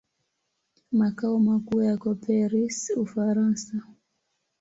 Makao makuu yako Paris, Ufaransa.